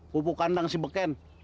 pupuk kandang si beken